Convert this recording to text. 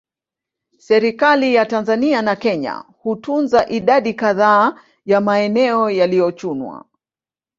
Serikali ya Tanzania na Kenya hutunza idadi kadhaa ya maeneo yaliyochunwa